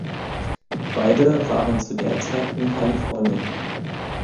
Beide waren zu der Zeit in Kalifornien.